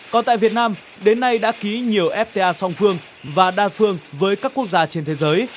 còn tại việt nam đến nay đã ký nhiều fta song phương và đa phương với các quốc gia trên thế giới